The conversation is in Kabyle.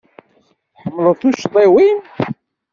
Txedmeḍ tuccḍiwin.